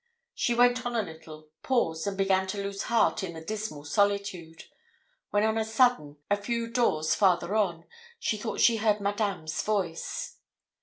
She went on a little, paused, and began to lose heart in the dismal solitude, when on a sudden, a few doors farther on, she thought she heard Madame's voice.